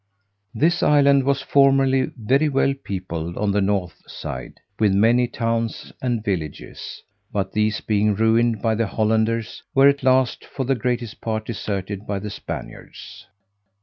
This island was formerly very well peopled, on the north side, with many towns and villages; but these, being ruined by the Hollanders, were at last, for the greatest part, deserted by the Spaniards.